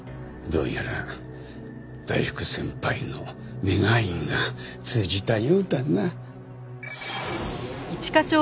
どうやら大福先輩の願いが通じたようだな。